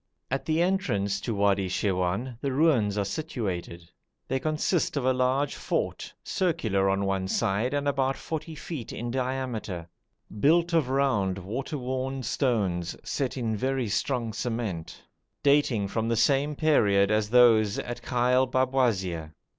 At the entrance to Wadi Shirwan the ruins are situated. They consist of a large fort, circular on one side and about 40 feet in diameter, built of round, water worn stones set in very strong cement, dating from the same period as those at Ghail Babwazir.